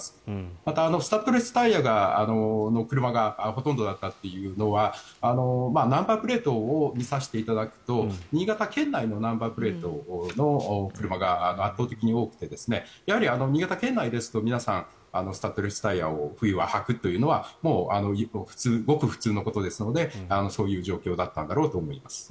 また、スタッドレスタイヤの車がほとんどだったというのはナンバープレートを見させていただくと新潟県内のナンバープレートの車が圧倒的に多くて新潟県内ですと皆さんスタッドレスタイヤを冬は履くというのはごく普通のことですのでそういう状況だったんだろうと思います。